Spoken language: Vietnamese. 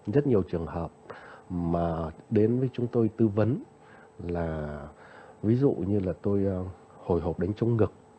rất nhiều trường hợp mà đến với chúng tôi tư vấn là ví dụ như là tôi hồi hộp đánh chống ngực